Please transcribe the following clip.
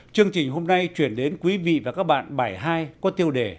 chương trình hôm nay chuyển đến quý vị và các bạn bài một trong loạt bài hai kỳ có tiêu đề chung là